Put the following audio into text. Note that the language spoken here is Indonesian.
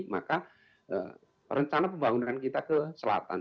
maka rencana pembangunan kita ke selatan